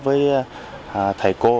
với thầy cô